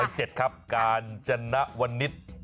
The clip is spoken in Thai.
สอย๗ครับการจนะวันนิษย์